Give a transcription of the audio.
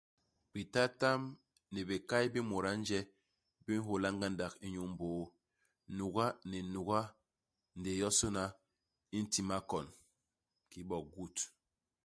Bitatam ni bikay bi mut a nje bi nhôla ngandak inyu mbôô. Nuga ni nuga ndéé yosôna i nti makon kiki bo goûte.